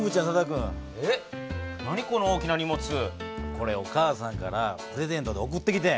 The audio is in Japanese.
これお母さんからプレゼントで送ってきてん。